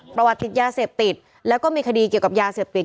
ประวัติติดยาเสพติดแล้วก็มีคดีเกี่ยวกับยาเสพติด